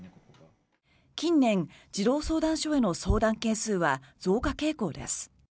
近年、児童相談所への相談件数は増加傾向です。